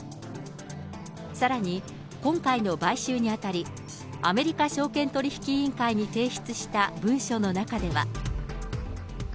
さらに今回の買収にあたり、アメリカ証券取引委員会に提出した文書の中では。